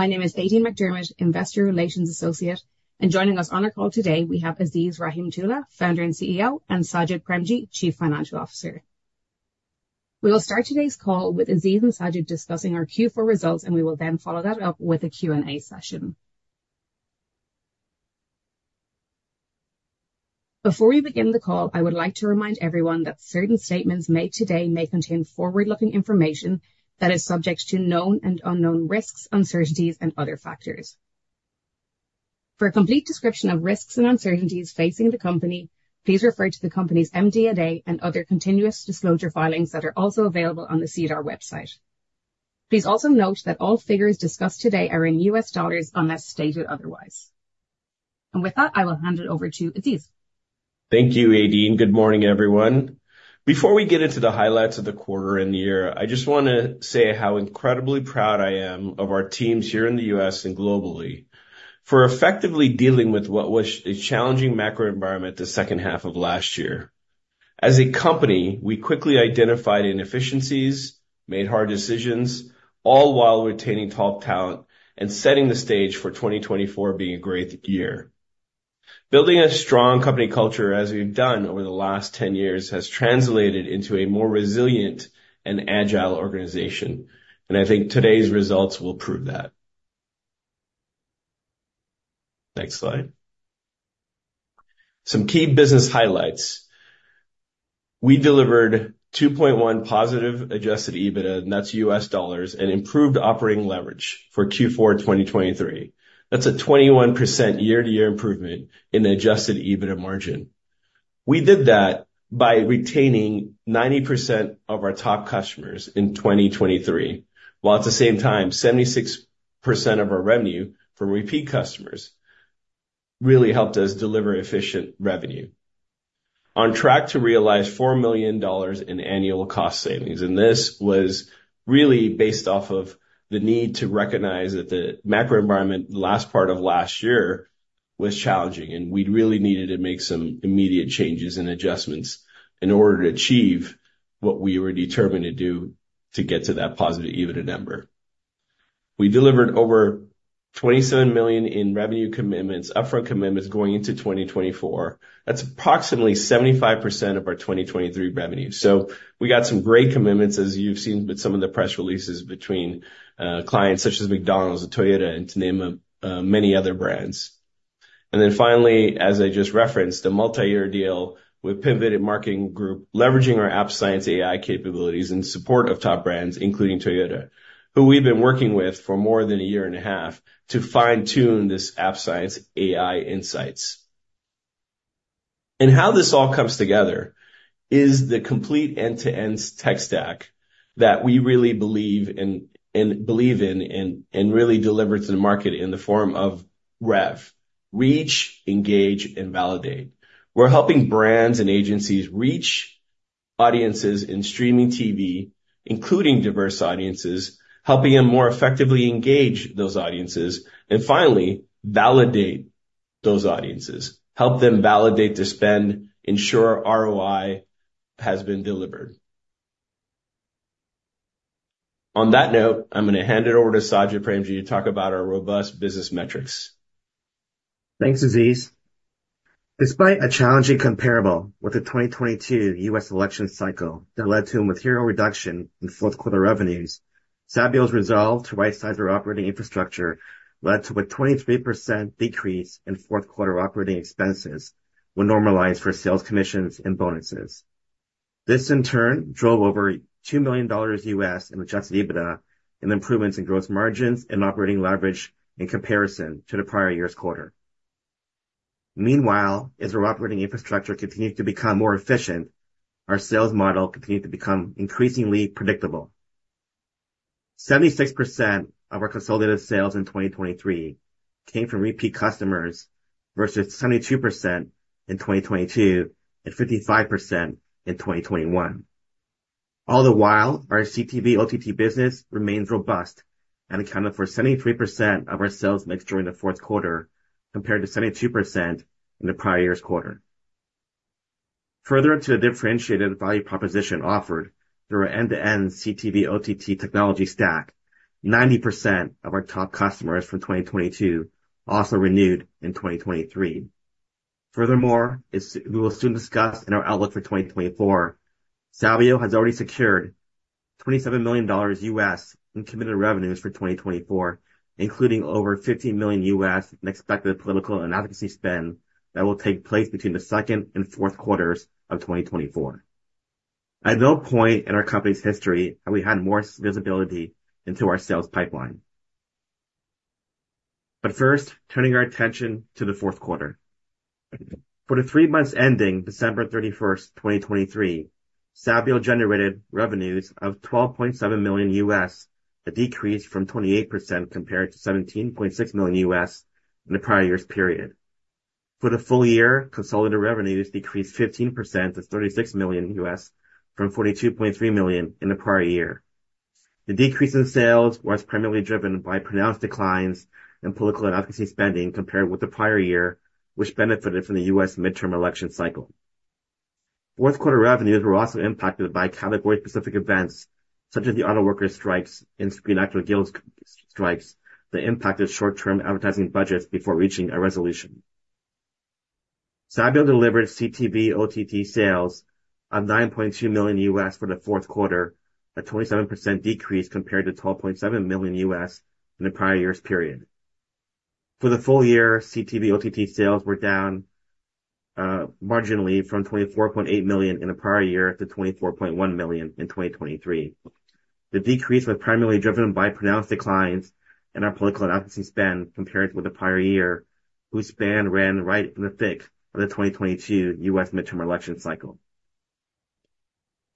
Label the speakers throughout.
Speaker 1: My name is Aideen McDermott, Investor Relations Associate, and joining us on our call today we have Aziz Rahimtoola, Founder and CEO, and Sajid Premji, Chief Financial Officer. We will start today's call with Aziz and Sajid discussing our Q4 results, and we will then follow that up with a Q&A session. Before we begin the call, I would like to remind everyone that certain statements made today may contain forward-looking information that is subject to known and unknown risks, uncertainties, and other factors. For a complete description of risks and uncertainties facing the company, please refer to the company's MD&A and other continuous disclosure filings that are also available on the SEDAR website. Please also note that all figures discussed today are in U.S. dollars unless stated otherwise. With that, I will hand it over to Aziz.
Speaker 2: Thank you, Aideen. Good morning, everyone. Before we get into the highlights of the quarter and year, I just want to say how incredibly proud I am of our teams here in the U.S. and globally for effectively dealing with what was a challenging macro environment the second half of last year. As a company, we quickly identified inefficiencies, made hard decisions, all while retaining top talent and setting the stage for 2024 being a great year. Building a strong company culture, as we've done over the last 10 years, has translated into a more resilient and agile organization, and I think today's results will prove that. Next slide. Some key business highlights. We delivered 2.1% positive adjusted EBITDA, and that's U.S. dollars, and improved operating leverage for Q4 2023. That's a 21% year-to-year improvement in the adjusted EBITDA margin. We did that by retaining 90% of our top customers in 2023, while at the same time, 76% of our revenue from repeat customers really helped us deliver efficient revenue. On track to realize $4 million in annual cost savings, and this was really based off of the need to recognize that the macro environment last part of last year was challenging, and we'd really needed to make some immediate changes and adjustments in order to achieve what we were determined to do to get to that positive EBITDA number. We delivered over $27 million in revenue commitments, upfront commitments going into 2024. That's approximately 75% of our 2023 revenue. So we got some great commitments, as you've seen with some of the press releases between clients such as McDonald's, Toyota, and to name many other brands. And then finally, as I just referenced, a multi-year deal with Pivot Marketing Group leveraging our App Science AI capabilities in support of top brands, including Toyota, who we've been working with for more than a year and a half to fine-tune this App Science AI insights. And how this all comes together is the complete end-to-end tech stack that we really believe in and really deliver to the market in the form of REV: Reach, Engage, and Validate. We're helping brands and agencies reach audiences in streaming TV, including diverse audiences, helping them more effectively engage those audiences, and finally, validate those audiences, help them validate their spend, ensure ROI has been delivered. On that note, I'm going to hand it over to Sajid Premji to talk about our robust business metrics.
Speaker 3: Thanks, Aziz. Despite a challenging comparable with the 2022 U.S. election cycle that led to a material reduction in fourth-quarter revenues, Sabio's resolve to right-size their operating infrastructure led to a 23% decrease in fourth-quarter operating expenses when normalized for sales commissions and bonuses. This, in turn, drove over $2 million in Adjusted EBITDA and improvements in gross margins and operating leverage in comparison to the prior year's quarter. Meanwhile, as our operating infrastructure continued to become more efficient, our sales model continued to become increasingly predictable. 76% of our consolidated sales in 2023 came from repeat customers versus 72% in 2022 and 55% in 2021. All the while, our CTV/OTT business remains robust and accounted for 73% of our sales mix during the fourth quarter compared to 72% in the prior year's quarter. Further into the differentiated value proposition offered through our end-to-end CTV/OTT technology stack, 90% of our top customers from 2022 also renewed in 2023. Furthermore, as we will soon discuss in our outlook for 2024, Sabio has already secured $27 million in committed revenues for 2024, including over $15 million in expected political and advocacy spend that will take place between the second and fourth quarters of 2024. At no point in our company's history have we had more visibility into our sales pipeline. But first, turning our attention to the fourth quarter. For the three months ending December 31st, 2023, Sabio generated revenues of $12.7 million, a 28% decrease from $17.6 million in the prior year's period. For the full year, consolidated revenues decreased 15% to $36 million from $42.3 million in the prior year. The decrease in sales was primarily driven by pronounced declines in political and advocacy spending compared with the prior year, which benefited from the U.S. midterm election cycle. Fourth-quarter revenues were also impacted by category-specific events such as the United Auto Workers strikes and Screen Actors Guild strikes that impacted short-term advertising budgets before reaching a resolution. Sabio delivered CTV/OTT sales of $9.2 million for the fourth quarter, a 27% decrease compared to $12.7 million in the prior year's period. For the full year, CTV/OTT sales were down marginally from $24.8 million in the prior year to $24.1 million in 2023. The decrease was primarily driven by pronounced declines in our political and advocacy spend compared with the prior year, whose span ran right in the thick of the 2022 U.S. midterm election cycle.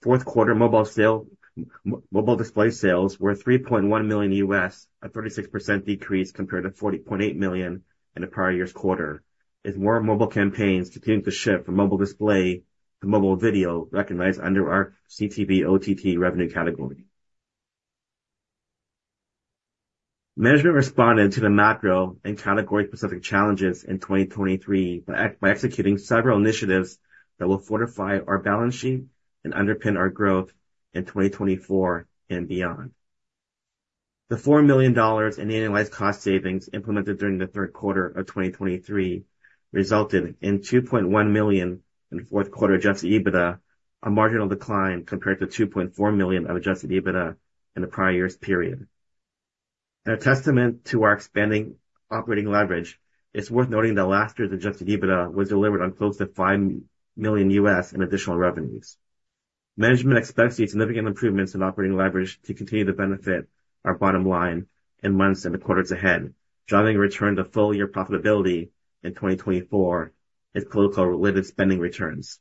Speaker 3: Fourth-quarter mobile display sales were $3.1 million, a 36% decrease compared to $40.8 million in the prior year's quarter, as more mobile campaigns continued to shift from mobile display to mobile video recognized under our CTV/OTT revenue category. Management responded to the macro and category-specific challenges in 2023 by executing several initiatives that will fortify our balance sheet and underpin our growth in 2024 and beyond. The $4 million in annualized cost savings implemented during the third quarter of 2023 resulted in $2.1 million in fourth-quarter adjusted EBITDA, a marginal decline compared to $2.4 million of adjusted EBITDA in the prior year's period. As a testament to our expanding operating leverage, it's worth noting that last year, the adjusted EBITDA was delivered on close to $5 million in additional revenues. Management expects significant improvements in operating leverage to continue to benefit our bottom line in months and the quarters ahead, driving a return to full-year profitability in 2024 as political-related spending returns.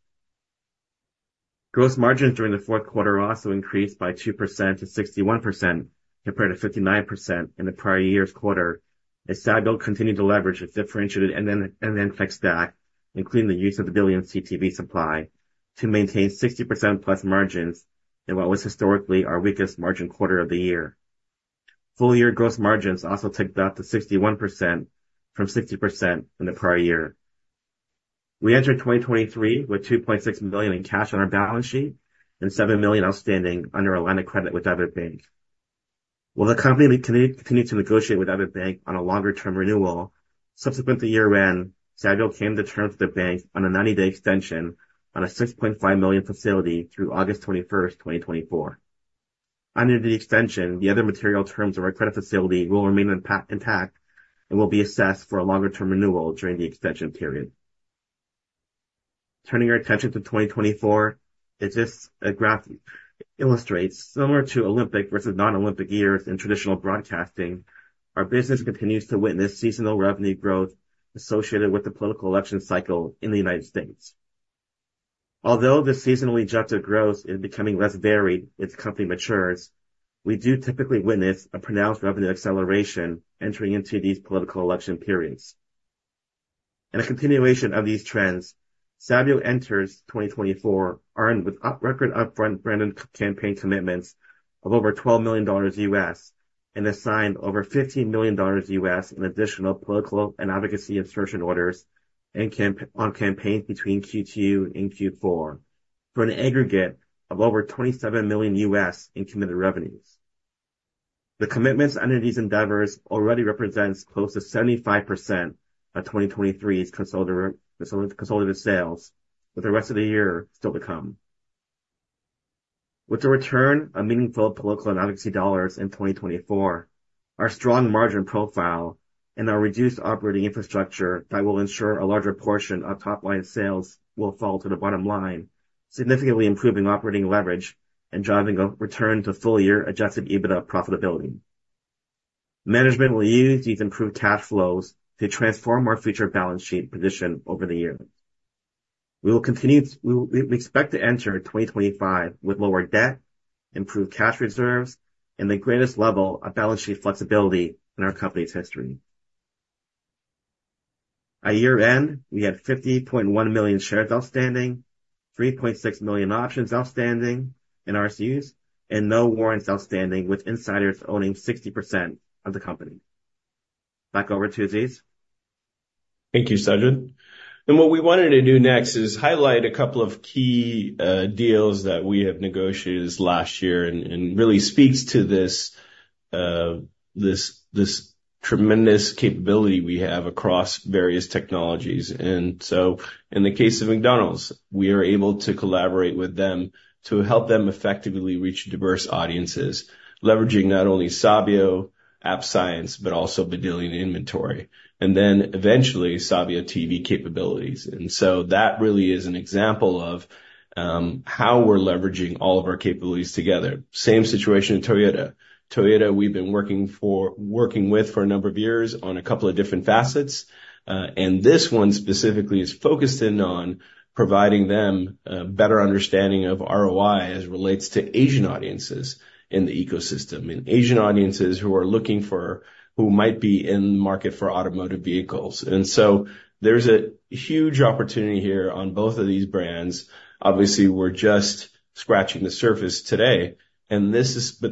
Speaker 3: Gross margins during the fourth quarter also increased by 2% to 61% compared to 59% in the prior year's quarter, as Sabio continued to leverage its differentiated end-to-end tech stack, including the use of the Vidillion CTV supply, to maintain 60%-plus margins in what was historically our weakest margin quarter of the year. Full-year gross margins also ticked up to 61% from 60% in the prior year. We entered 2023 with $2.6 million in cash on our balance sheet and $7 million outstanding under a line of credit with other banks. While the company continued to negotiate with other banks on a longer-term renewal, subsequent to year-end, Sabio came to terms with the bank on a 90-day extension on a $6.5 million facility through August 21st, 2024. Under the extension, the other material terms of our credit facility will remain intact and will be assessed for a longer-term renewal during the extension period. Turning our attention to 2024, as this graph illustrates, similar to Olympic versus non-Olympic years in traditional broadcasting, our business continues to witness seasonal revenue growth associated with the political election cycle in the United States. Although the seasonally adjusted growth is becoming less varied as the company matures, we do typically witness a pronounced revenue acceleration entering into these political election periods. In a continuation of these trends, Sabio enters 2024 earned with record upfront branded campaign commitments of over $12 million and assigned over $15 million in additional political and advocacy insertion orders on campaigns between Q2 and Q4, for an aggregate of over $27 million in committed revenues. The commitments under these endeavors already represent close to 75% of 2023's consolidated sales, with the rest of the year still to come. With a return of meaningful political and advocacy dollars in 2024, our strong margin profile and our reduced operating infrastructure that will ensure a larger portion of top-line sales will fall to the bottom line, significantly improving operating leverage and driving a return to full-year Adjusted EBITDA profitability. Management will use these improved cash flows to transform our future balance sheet position over the year. We expect to enter 2025 with lower debt, improved cash reserves, and the greatest level of balance sheet flexibility in our company's history. At year-end, we had 50.1 million shares outstanding, 3.6 million options outstanding in RSUs, and no warrants outstanding with insiders owning 60% of the company. Back over to Aziz.
Speaker 2: Thank you, Sajid. What we wanted to do next is highlight a couple of key deals that we have negotiated last year and really speaks to this tremendous capability we have across various technologies. So in the case of McDonald's, we are able to collaborate with them to help them effectively reach diverse audiences, leveraging not only Sabio App Science but also Vidillion in inventory, and then eventually SabioTV capabilities. That really is an example of how we're leveraging all of our capabilities together. Same situation at Toyota. Toyota, we've been working with for a number of years on a couple of different facets. This one specifically is focused in on providing them a better understanding of ROI as relates to Asian audiences in the ecosystem, in Asian audiences who are looking for who might be in the market for automotive vehicles. There's a huge opportunity here on both of these brands. Obviously, we're just scratching the surface today, but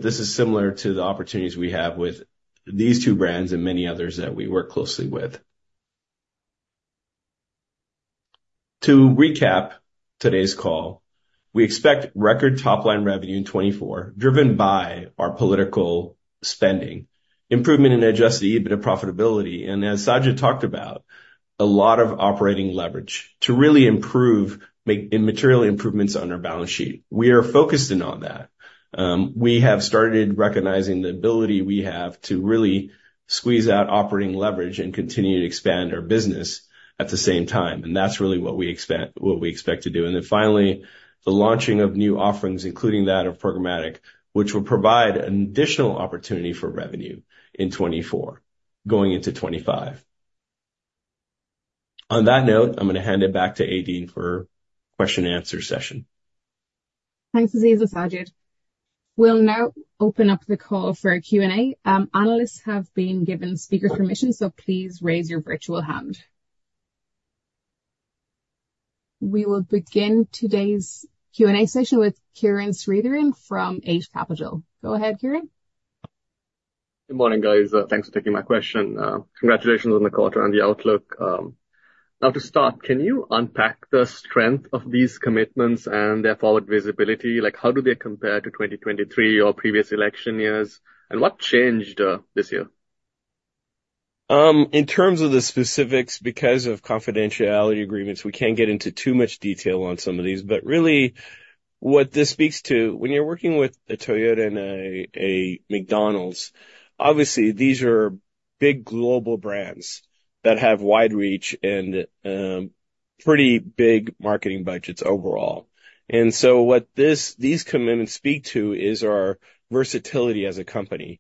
Speaker 2: this is similar to the opportunities we have with these two brands and many others that we work closely with. To recap today's call, we expect record top-line revenue in 2024 driven by our political spending, improvement in Adjusted EBITDA profitability, and as Sajid talked about, a lot of operating leverage to really improve and materially improve things on our balance sheet. We are focused in on that. We have started recognizing the ability we have to really squeeze out operating leverage and continue to expand our business at the same time. That's really what we expect to do. Finally, the launching of new offerings, including that of programmatic, which will provide an additional opportunity for revenue in 2024 going into 2025. On that note, I'm going to hand it back to Aideen for a question-and-answer session.
Speaker 1: Thanks, Aziz and Sajid. We'll now open up the call for a Q&A. Analysts have been given speaker permission, so please raise your virtual hand. We will begin today's Q&A session with Kiran Sritharan from Eight Capital. Go ahead, Kiran.
Speaker 4: Good morning, guys. Thanks for taking my question. Congratulations on the quarter and the outlook. Now, to start, can you unpack the strength of these commitments and their forward visibility? How do they compare to 2023 or previous election years, and what changed this year?
Speaker 2: In terms of the specifics, because of confidentiality agreements, we can't get into too much detail on some of these. But really, what this speaks to, when you're working with a Toyota and a McDonald's, obviously, these are big global brands that have wide reach and pretty big marketing budgets overall. And so what these commitments speak to is our versatility as a company.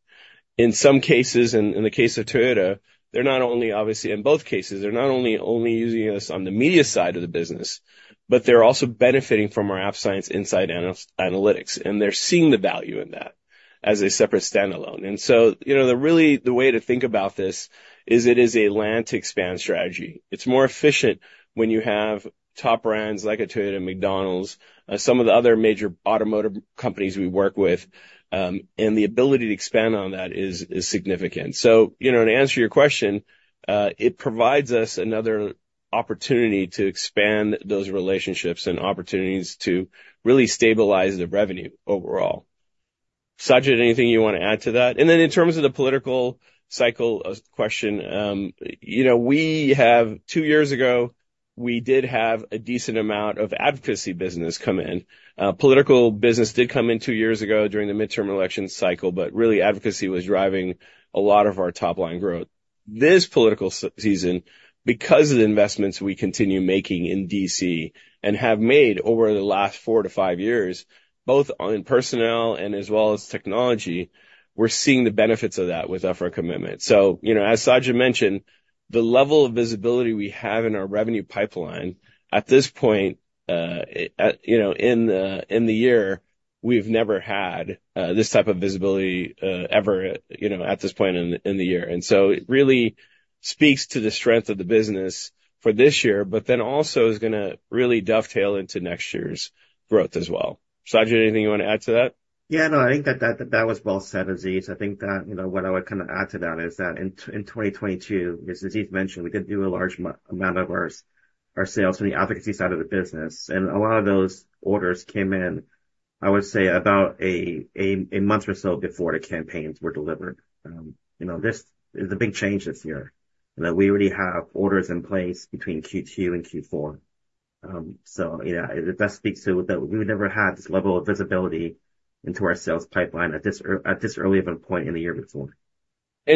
Speaker 2: In some cases, in the case of Toyota, they're not only obviously, in both cases, they're not only only using us on the media side of the business, but they're also benefiting from our App Science analytics. And they're seeing the value in that as a separate standalone. And so really, the way to think about this is it is a land and expand strategy. It's more efficient when you have top brands like a Toyota, McDonald's, some of the other major automotive companies we work with, and the ability to expand on that is significant. So to answer your question, it provides us another opportunity to expand those relationships and opportunities to really stabilize the revenue overall. Sajid, anything you want to add to that? And then in terms of the political cycle question, two years ago, we did have a decent amount of advocacy business come in. Political business did come in two years ago during the midterm election cycle, but really, advocacy was driving a lot of our top-line growth. This political season, because of the investments we continue making in D.C. and have made over the last four to five years, both in personnel and as well as technology, we're seeing the benefits of that with our commitment. As Sajid mentioned, the level of visibility we have in our revenue pipeline, at this point in the year, we've never had this type of visibility ever at this point in the year. So it really speaks to the strength of the business for this year, but then also is going to really dovetail into next year's growth as well. Sajid, anything you want to add to that?
Speaker 3: Yeah, no, I think that that was well said, Aziz. I think that what I would kind of add to that is that in 2022, as Aziz mentioned, we did do a large amount of our sales from the advocacy side of the business. And a lot of those orders came in, I would say, about a month or so before the campaigns were delivered. This is a big change this year, that we already have orders in place between Q2 and Q4. So yeah, that speaks to that we never had this level of visibility into our sales pipeline at this early point in the year before.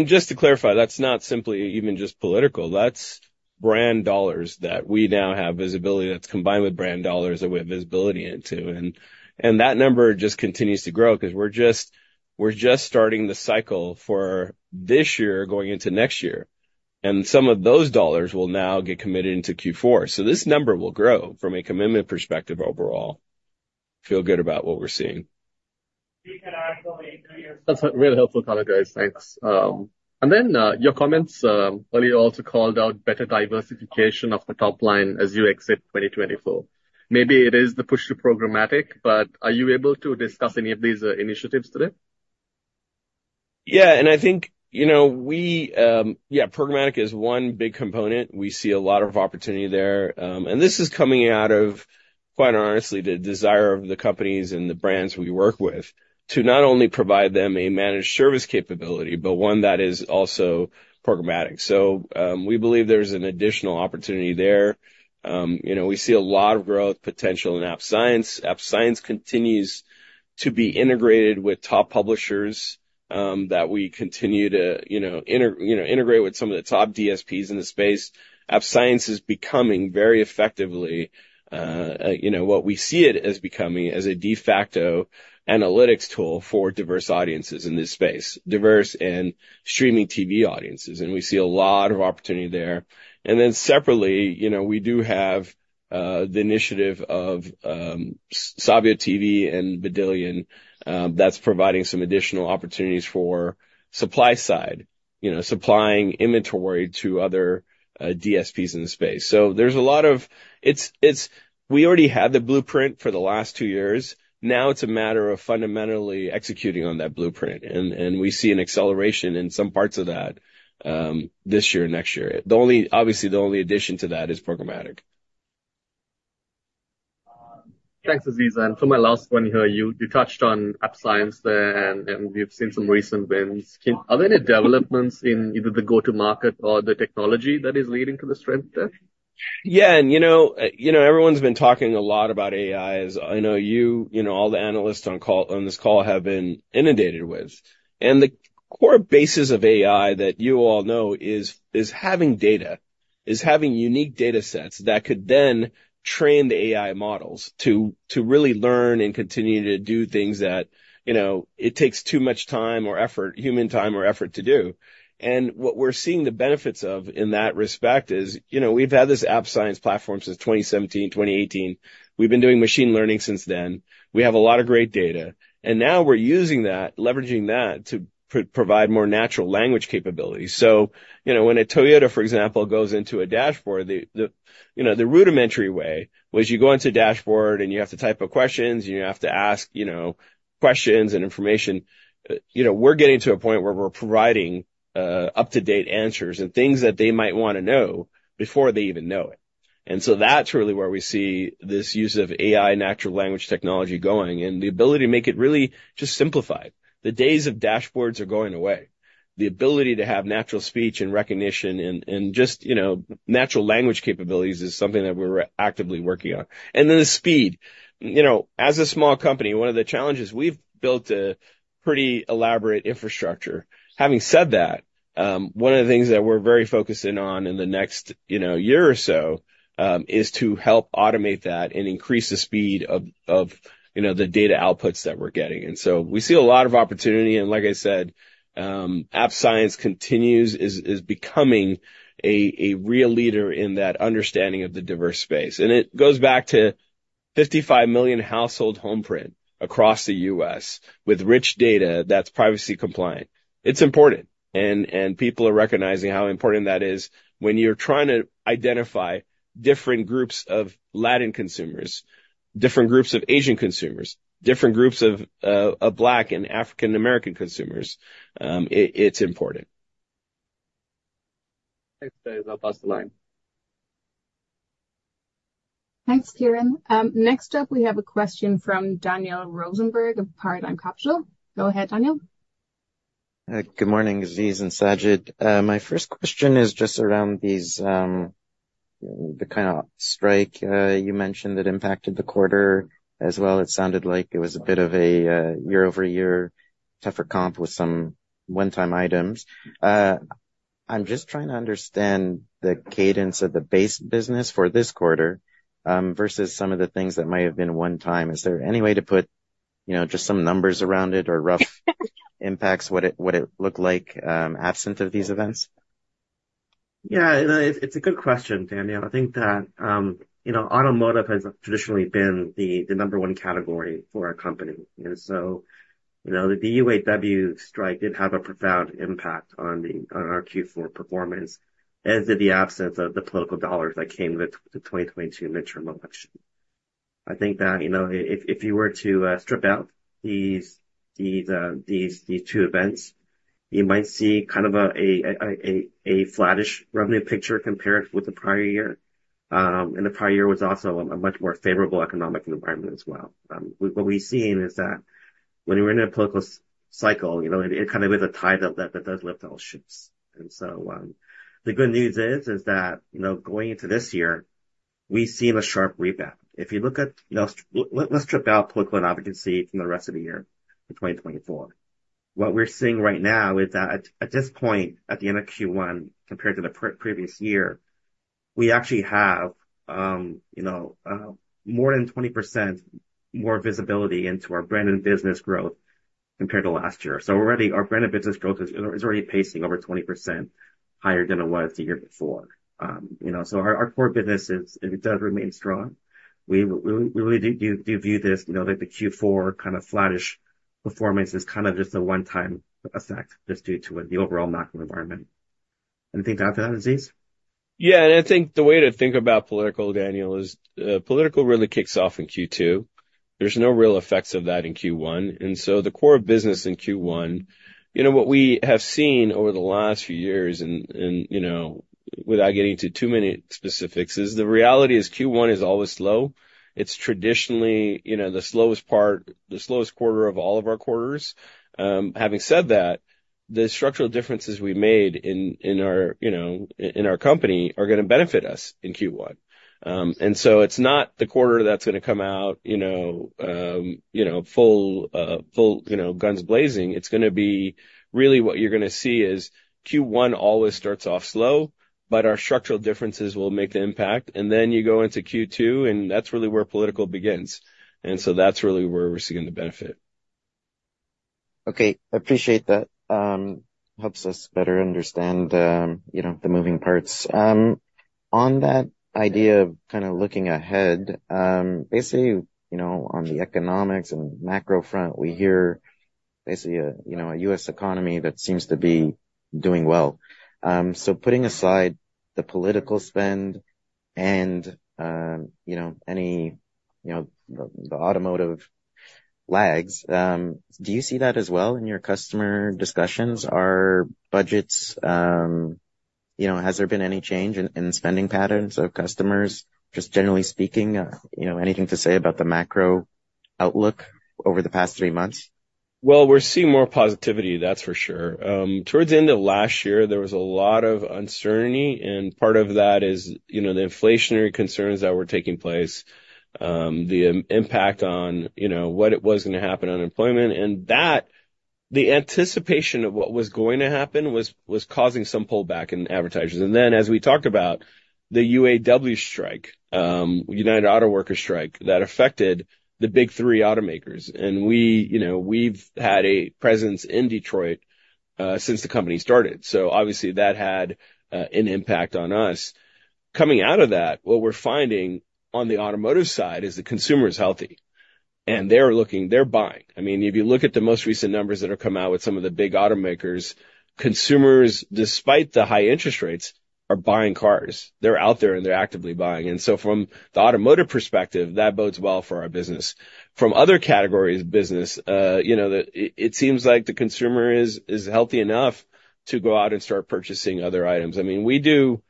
Speaker 2: Just to clarify, that's not simply even just political. That's brand dollars that we now have visibility that's combined with brand dollars that we have visibility into. That number just continues to grow because we're just starting the cycle for this year going into next year. Some of those dollars will now get committed into Q4. This number will grow from a commitment perspective overall. Feel good about what we're seeing.
Speaker 4: That's a really helpful comment, guys. Thanks. And then your comments earlier also called out better diversification of the top line as you exit 2024. Maybe it is the push to programmatic, but are you able to discuss any of these initiatives today?
Speaker 2: Yeah, and I think, yeah, programmatic is one big component. We see a lot of opportunity there. And this is coming out of, quite honestly, the desire of the companies and the brands we work with to not only provide them a managed service capability, but one that is also programmatic. So we believe there's an additional opportunity there. We see a lot of growth potential in App Science. App Science continues to be integrated with top publishers that we continue to integrate with some of the top DSPs in the space. App Science is becoming very effectively what we see it as becoming as a de facto analytics tool for diverse audiences in this space, diverse in streaming TV audiences. And we see a lot of opportunity there. And then separately, we do have the initiative of SabioTV and Vidillion that's providing some additional opportunities for supply side, supplying inventory to other DSPs in the space. So there's a lot of we already had the blueprint for the last two years. Now it's a matter of fundamentally executing on that blueprint. And we see an acceleration in some parts of that this year and next year. Obviously, the only addition to that is programmatic.
Speaker 4: Thanks, Aziz. And for my last one here, you touched on App Science there, and we've seen some recent wins. Are there any developments in either the go-to-market or the technology that is leading to the strength there?
Speaker 2: Yeah, and everyone's been talking a lot about AI as I know you, all the analysts on this call have been inundated with. And the core basis of AI that you all know is having data, is having unique datasets that could then train the AI models to really learn and continue to do things that it takes too much time or effort, human time or effort to do. And what we're seeing the benefits of in that respect is we've had this App Science platform since 2017, 2018. We've been doing machine learning since then. We have a lot of great data. And now we're using that, leveraging that to provide more natural language capabilities. So when a Toyota, for example, goes into a dashboard, the rudimentary way was you go into a dashboard and you have to type up questions and you have to ask questions and information. We're getting to a point where we're providing up-to-date answers and things that they might want to know before they even know it. And so that's really where we see this use of AI natural language technology going and the ability to make it really just simplified. The days of dashboards are going away. The ability to have natural speech and recognition and just natural language capabilities is something that we're actively working on. And then the speed. As a small company, one of the challenges, we've built a pretty elaborate infrastructure. Having said that, one of the things that we're very focused in on in the next year or so is to help automate that and increase the speed of the data outputs that we're getting. And so we see a lot of opportunity. And like I said, App Science continues is becoming a real leader in that understanding of the diverse space. And it goes back to 55 million household footprint across the U.S. with rich data that's privacy compliant. It's important. And people are recognizing how important that is when you're trying to identify different groups of Latin consumers, different groups of Asian consumers, different groups of Black and African-American consumers. It's important.
Speaker 4: Thanks, guys. I'll pass the line.
Speaker 1: Thanks, Kiran. Next up, we have a question from Daniel Rosenberg of Paradigm Capital. Go ahead, Daniel.
Speaker 5: Good morning, Aziz and Sajid. My first question is just around the kind of strike you mentioned that impacted the quarter as well. It sounded like it was a bit of a year-over-year tougher comp with some one-time items. I'm just trying to understand the cadence of the base business for this quarter versus some of the things that might have been one-time. Is there any way to put just some numbers around it or rough impacts, what it looked like absent of these events?
Speaker 3: Yeah, it's a good question, Daniel. I think that automotive has traditionally been the number one category for our company. And so the UAW strike did have a profound impact on our Q4 performance as did the absence of the political dollars that came with the 2022 midterm election. I think that if you were to strip out these two events, you might see kind of a flat-ish revenue picture compared with the prior year. And the prior year was also a much more favorable economic environment as well. What we've seen is that when we're in a political cycle, it kind of is a tide that does lift all ships. And so the good news is that going into this year, we've seen a sharp rebound. If you look at let's strip out political advocacy from the rest of the year, from 2024. What we're seeing right now is that at this point, at the end of Q1 compared to the previous year, we actually have more than 20% more visibility into our brand and business growth compared to last year. Our brand and business growth is already pacing over 20% higher than it was the year before. Our core business, it does remain strong. We really do view this that the Q4 kind of flat-ish performance is kind of just a one-time effect just due to the overall macro environment. Anything to add to that, Aziz?
Speaker 2: Yeah, and I think the way to think about political, Daniel, is political really kicks off in Q2. There's no real effects of that in Q1. And so the core business in Q1, what we have seen over the last few years without getting into too many specifics, is the reality is Q1 is always slow. It's traditionally the slowest part, the slowest quarter of all of our quarters. Having said that, the structural differences we made in our company are going to benefit us in Q1. And so it's not the quarter that's going to come out full guns blazing. It's going to be really what you're going to see is Q1 always starts off slow, but our structural differences will make the impact. And then you go into Q2, and that's really where political begins. And so that's really where we're seeing the benefit.
Speaker 5: Okay. Appreciate that. Helps us better understand the moving parts. On that idea of kind of looking ahead, basically, on the economics and macro front, we hear basically a U.S. economy that seems to be doing well. So putting aside the political spend and any the automotive lags, do you see that as well in your customer discussions? Are budgets? Has there been any change in spending patterns of customers? Just generally speaking, anything to say about the macro outlook over the past three months?
Speaker 2: Well, we're seeing more positivity, that's for sure. Towards the end of last year, there was a lot of uncertainty. Part of that is the inflationary concerns that were taking place, the impact on what it was going to happen on employment. The anticipation of what was going to happen was causing some pullback in advertisers. Then, as we talked about, the UAW strike, United Auto Workers strike, that affected the Big Three automakers. We've had a presence in Detroit since the company started. Obviously, that had an impact on us. Coming out of that, what we're finding on the automotive side is the consumer is healthy. They're buying. I mean, if you look at the most recent numbers that have come out with some of the big automakers, consumers, despite the high interest rates, are buying cars. They're out there and they're actively buying. So from the automotive perspective, that bodes well for our business. From other categories of business, it seems like the consumer is healthy enough to go out and start purchasing other items. I mean, we do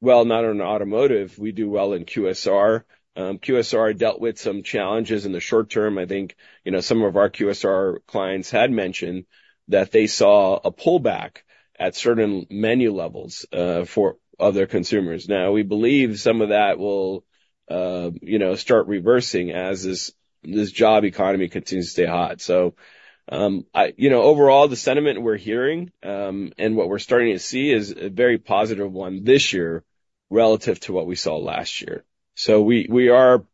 Speaker 2: well not on automotive. We do well in QSR. QSR dealt with some challenges in the short term. I think some of our QSR clients had mentioned that they saw a pullback at certain menu levels for other consumers. Now, we believe some of that will start reversing as this job economy continues to stay hot. So overall, the sentiment we're hearing and what we're starting to see is a very positive one this year relative to what we saw last year. So we are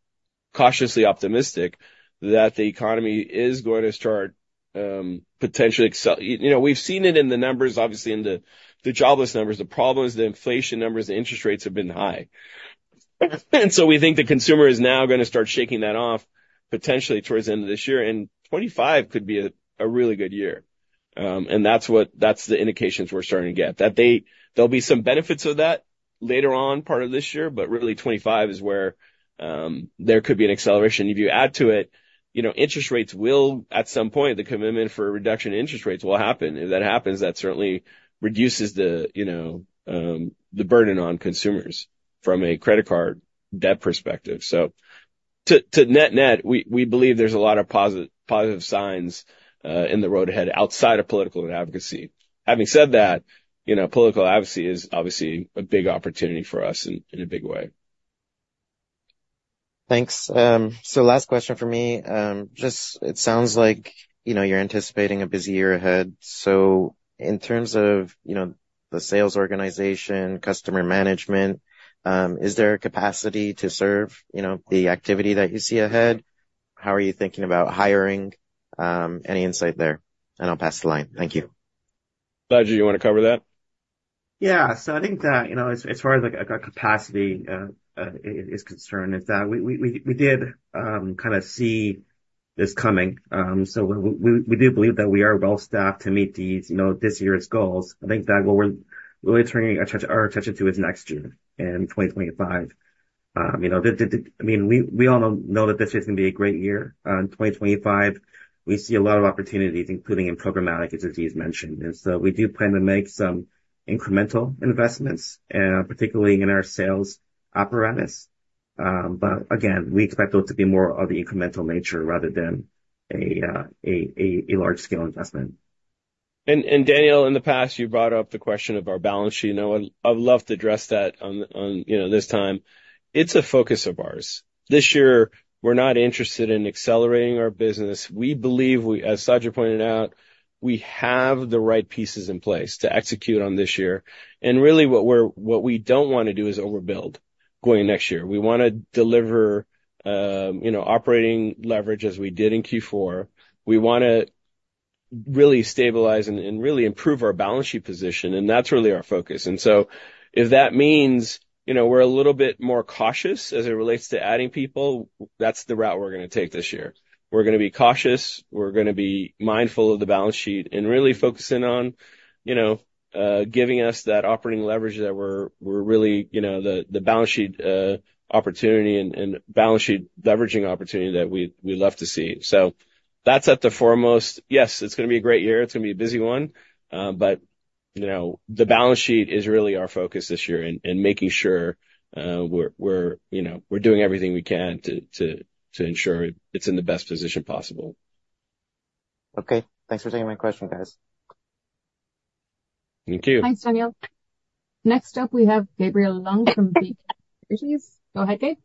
Speaker 2: cautiously optimistic that the economy is going to start. Potentially we've seen it in the numbers, obviously, in the jobless numbers. The problem is the inflation numbers, the interest rates have been high. So we think the consumer is now going to start shaking that off potentially towards the end of this year. 2025 could be a really good year. That's the indications we're starting to get, that there'll be some benefits of that later on part of this year, but really 2025 is where there could be an acceleration. If you add to it, interest rates will at some point, the commitment for a reduction in interest rates will happen. If that happens, that certainly reduces the burden on consumers from a credit card debt perspective. So to net-net, we believe there's a lot of positive signs in the road ahead outside of political advocacy. Having said that, political advocacy is obviously a big opportunity for us in a big way.
Speaker 5: Thanks. So last question for me. Just it sounds like you're anticipating a busy year ahead. So in terms of the sales organization, customer management, is there a capacity to serve the activity that you see ahead? How are you thinking about hiring? Any insight there? And I'll pass the line. Thank you.
Speaker 2: Sajid, you want to cover that?
Speaker 3: Yeah. So I think that as far as our capacity is concerned, is that we did kind of see this coming. So we do believe that we are well-staffed to meet this year's goals. I think that what we're really turning our attention to is next year in 2025. I mean, we all know that this year is going to be a great year. In 2025, we see a lot of opportunities, including in programmatic, as Aziz mentioned. And so we do plan to make some incremental investments, particularly in our sales apparatus. But again, we expect those to be more of the incremental nature rather than a large-scale investment.
Speaker 2: Daniel, in the past, you brought up the question of our balance sheet. I'd love to address that this time. It's a focus of ours. This year, we're not interested in accelerating our business. We believe, as Sajid pointed out, we have the right pieces in place to execute on this year. Really, what we don't want to do is overbuild going next year. We want to deliver operating leverage as we did in Q4. We want to really stabilize and really improve our balance sheet position. That's really our focus. So if that means we're a little bit more cautious as it relates to adding people, that's the route we're going to take this year. We're going to be cautious. We're going to be mindful of the balance sheet and really focusing on giving us that operating leverage that we're really the balance sheet opportunity and balance sheet leveraging opportunity that we'd love to see. So that's at the foremost. Yes, it's going to be a great year. It's going to be a busy one. But the balance sheet is really our focus this year and making sure we're doing everything we can to ensure it's in the best position possible.
Speaker 5: Okay. Thanks for taking my question, guys.
Speaker 2: Thank you.
Speaker 1: Thanks, Daniel. Next up, we have Gabriel Leung from Beacon Securities. Go ahead, Gabe.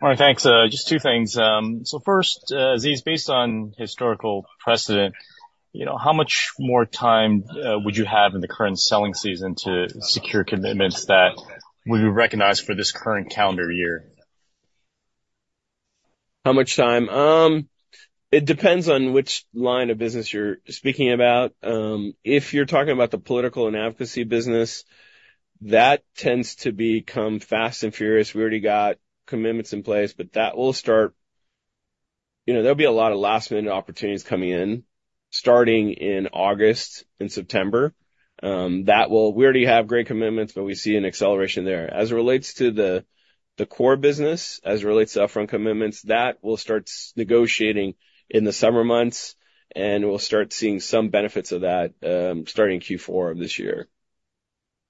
Speaker 6: All right. Thanks. Just two things. So first, Aziz, based on historical precedent, how much more time would you have in the current selling season to secure commitments that would be recognized for this current calendar year?
Speaker 2: How much time? It depends on which line of business you're speaking about. If you're talking about the political and advocacy business, that tends to become fast and furious. We already got commitments in place, but that will start. There'll be a lot of last-minute opportunities coming in, starting in August and September. We already have great commitments, but we see an acceleration there. As it relates to the core business, as it relates to upfront commitments, that will start negotiating in the summer months, and we'll start seeing some benefits of that starting Q4 of this year.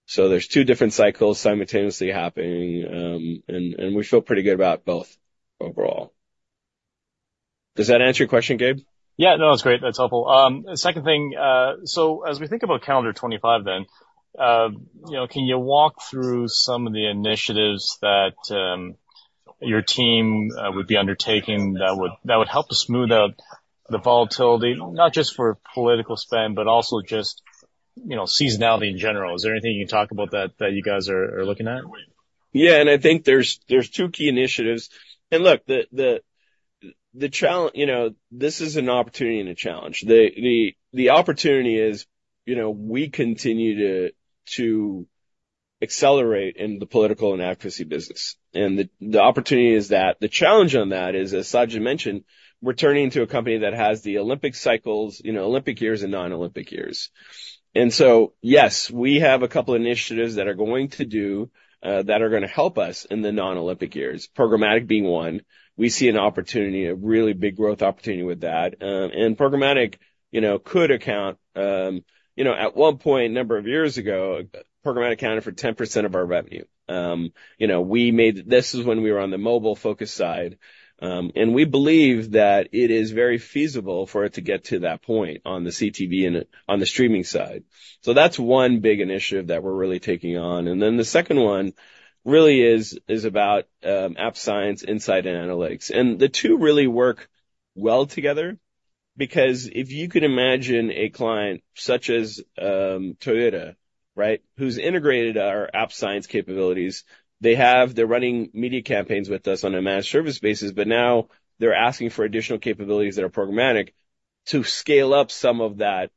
Speaker 2: So there's two different cycles simultaneously happening, and we feel pretty good about both overall. Does that answer your question, Gabe?
Speaker 6: Yeah. No, it's great. That's helpful. Second thing, so as we think about calendar 2025 then, can you walk through some of the initiatives that your team would be undertaking that would help smooth out the volatility, not just for political spend, but also just seasonality in general? Is there anything you can talk about that you guys are looking at?
Speaker 2: Yeah. I think there's two key initiatives. Look, this is an opportunity and a challenge. The opportunity is we continue to accelerate in the political and advocacy business. The opportunity is that. The challenge on that is, as Sajid mentioned, we're turning into a company that has the Olympic cycles, Olympic years, and non-Olympic years. So yes, we have a couple of initiatives that are going to do that are going to help us in the non-Olympic years. Programmatic being one. We see an opportunity, a really big growth opportunity with that. Programmatic could account at one point, a number of years ago, programmatic accounted for 10% of our revenue. This is when we were on the mobile-focused side. We believe that it is very feasible for it to get to that point on the CTV and on the streaming side. So that's one big initiative that we're really taking on. And then the second one really is about App Science, insight, and analytics. And the two really work well together because if you could imagine a client such as Toyota, right, who's integrated our App Science capabilities, they're running media campaigns with us on a managed service basis, but now they're asking for additional capabilities that are programmatic to scale up some of the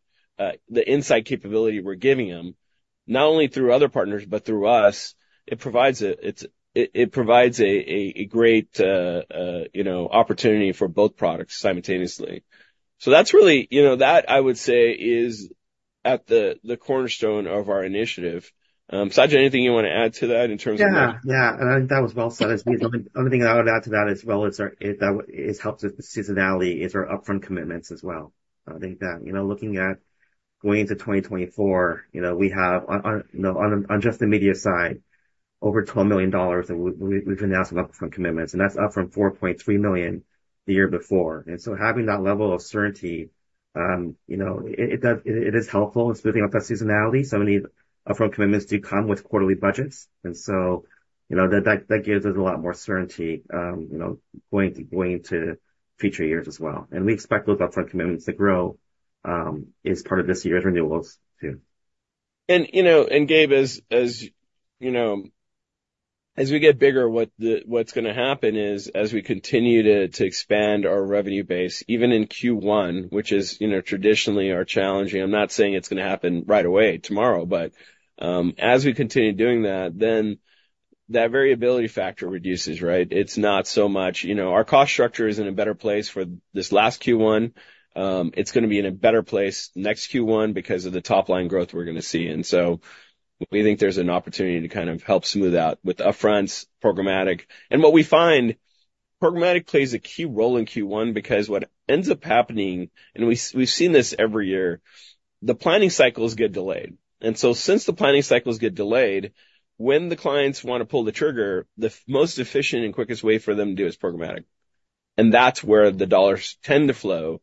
Speaker 2: insight capability we're giving them, not only through other partners, but through us, it provides a great opportunity for both products simultaneously. So that's really that, I would say, is at the cornerstone of our initiative. Sajid, anything you want to add to that in terms of?
Speaker 3: Yeah. Yeah. And I think that was well said, Aziz. The only thing I would add to that as well is it helps with the seasonality is our upfront commitments as well. I think that looking at going into 2024, we have on just the media side, over $12 million that we've announced from upfront commitments. And that's up from $4.3 million the year before. And so having that level of certainty, it is helpful, especially with that seasonality. So many upfront commitments do come with quarterly budgets. And so that gives us a lot more certainty going into future years as well. And we expect those upfront commitments to grow as part of this year's renewals too.
Speaker 2: Gabe, as we get bigger, what's going to happen is as we continue to expand our revenue base, even in Q1, which is traditionally our challenging. I'm not saying it's going to happen right away tomorrow, but as we continue doing that, then that variability factor reduces, right? It's not so much our cost structure is in a better place for this last Q1. It's going to be in a better place next Q1 because of the top-line growth we're going to see. So we think there's an opportunity to kind of help smooth out with upfronts, programmatic. What we find, programmatic plays a key role in Q1 because what ends up happening and we've seen this every year, the planning cycles get delayed. And so since the planning cycles get delayed, when the clients want to pull the trigger, the most efficient and quickest way for them to do it is programmatic. And that's where the dollars tend to flow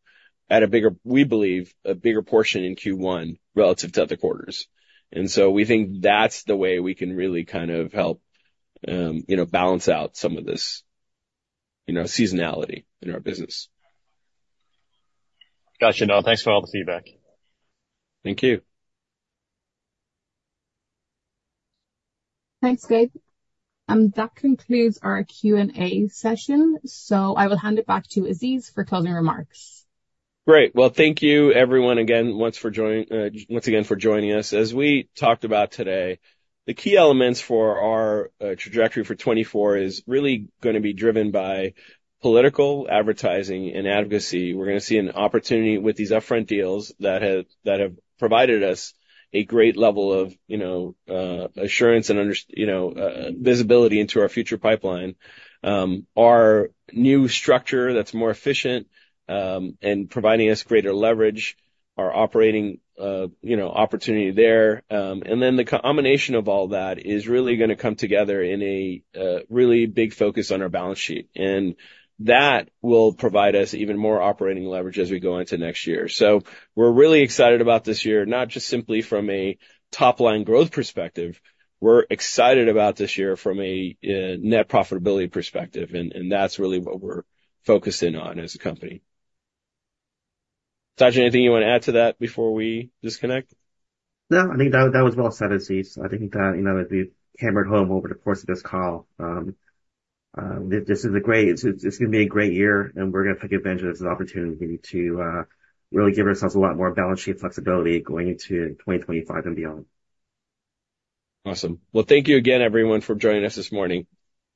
Speaker 2: at a bigger, we believe, a bigger portion in Q1 relative to other quarters. And so we think that's the way we can really kind of help balance out some of this seasonality in our business.
Speaker 6: Gotcha. No, thanks for all the feedback.
Speaker 2: Thank you.
Speaker 1: Thanks, Gabe. That concludes our Q&A session. So I will hand it back to Aziz for closing remarks.
Speaker 2: Great. Well, thank you, everyone, again, once again, for joining us. As we talked about today, the key elements for our trajectory for 2024 is really going to be driven by political advertising and advocacy. We're going to see an opportunity with these upfront deals that have provided us a great level of assurance and visibility into our future pipeline. Our new structure that's more efficient and providing us greater leverage, our operating opportunity there. And then the combination of all that is really going to come together in a really big focus on our balance sheet. And that will provide us even more operating leverage as we go into next year. So we're really excited about this year, not just simply from a top-line growth perspective. We're excited about this year from a net profitability perspective. And that's really what we're focused in on as a company. Sajid, anything you want to add to that before we disconnect?
Speaker 3: No, I think that was well said, Aziz. I think that it's been hammered home over the course of this call. This is great. It's going to be a great year, and we're going to take advantage of this opportunity to really give ourselves a lot more balance sheet flexibility going into 2025 and beyond.
Speaker 2: Awesome. Well, thank you again, everyone, for joining us this morning.